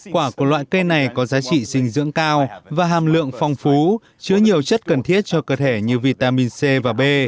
quả của loại cây này có giá trị dinh dưỡng cao và hàm lượng phong phú chứa nhiều chất cần thiết cho cơ thể như vitamin c và b